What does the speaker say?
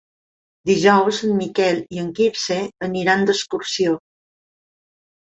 Dijous en Miquel i en Quirze aniran d'excursió.